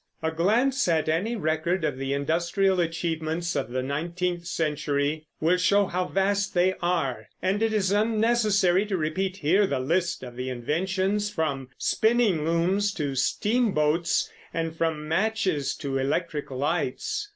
A glance at any record of the industrial achievements of the nineteenth century will show how vast they are, and it is unnecessary to repeat here the list of the inventions, from spinning looms to steamboats, and from matches to electric lights.